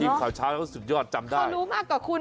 ข่าวเช้าแล้วสุดยอดจำได้เขารู้มากกว่าคุณ